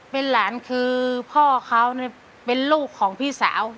เป็นหลานคือพ่อเขาเป็นลูกของพี่สาว